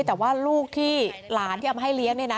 แต่ว่าลูกที่หลานที่เอามาให้เลี้ยงเนี่ยนะ